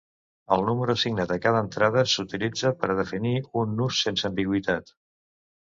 El número assignat a cada entrada s'utilitza per a definir un nus sense ambigüitat.